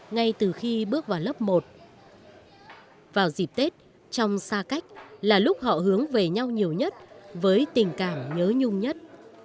ngay từ khi bước vào lớp một vào dịp tết trong xa cách là lúc họ hướng về nhau nhiều nhất với tình cảm nhớ nhung nhất